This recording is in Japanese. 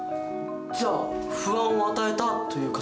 じゃあ「不安を与えた」という仮説は？